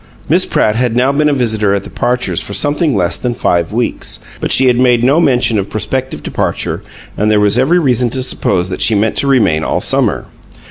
Miss Pratt had now been a visitor at the Parchers' for something less than five weeks, but she had made no mention of prospective departure, and there was every reason to suppose that she meant to remain all summer.